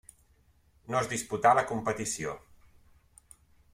No es disputà la competició.